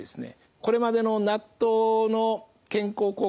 これまでの納豆の健康効果